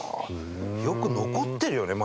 よく残ってるよね